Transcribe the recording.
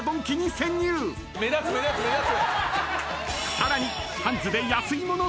［さらに］